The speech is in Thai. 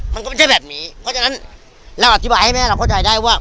มันก็ไม่ใช่แบบนี้เพราะฉะนั้นเราอธิบายให้แม่เราเข้าใจได้ว่า